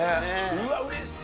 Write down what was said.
うわ、うれしい！